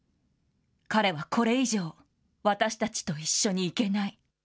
彼はこれ以上、私たちと一緒に行けない。